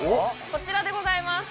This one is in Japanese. こちらでございます。